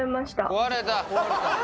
壊れた！